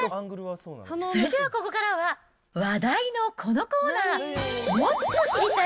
それではここからは、話題のこのコーナー、もっと知りたい！